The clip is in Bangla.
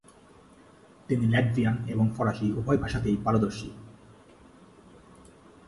তিনি ল্যাট্ভিয়ান এবং ফরাসি উভয় ভাষাতেই পারদর্শী।